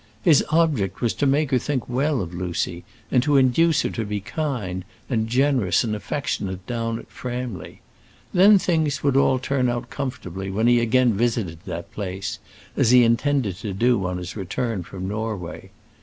His object was to make her think well of Lucy, and to induce her to be kind, and generous, and affectionate down at Framley. Then things would all turn out comfortably when he again visited that place, as he intended to do on his return from Norway.